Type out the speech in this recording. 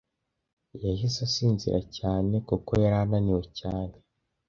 Yahise asinzira cyane kuko yari ananiwe cyane.